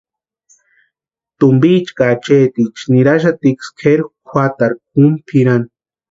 Tumpicha ka acheeticha niraxatiksï kʼeri juatarhu kumu pʼirani.